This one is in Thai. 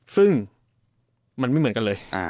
ซึ่งมันไม่เหมือนกันเลย